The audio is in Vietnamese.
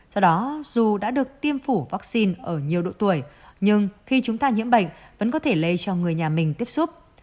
do đó dù đã được tiêm phủ vaccine ở nhiều độ tuổi nhưng khi chúng ta nhiễm bệnh vẫn có thể lây cho người nhà mình tiếp xúc